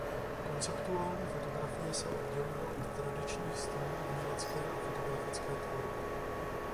Konceptuální fotografie se odděluje od tradičních stylů umělecké a fotografické tvorby.